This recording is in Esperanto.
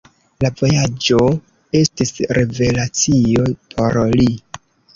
La vojaĝo estis revelacio por li.